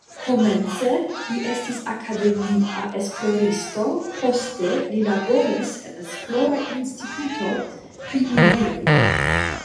Komence li estis akademia esploristo, poste li laboris en esplora instituto pri minejoj.